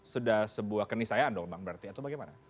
sudah sebuah kenisayaan dong bang berarti atau bagaimana